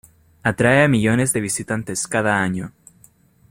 Atrae a millones de visitantes cada año.